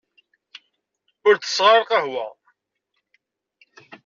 Ur tesseɣ ara lqahwa.